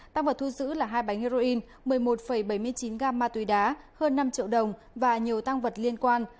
tăng vật thu giữ là hai bánh heroin một mươi một bảy mươi chín gam ma túy đá hơn năm triệu đồng và nhiều tăng vật liên quan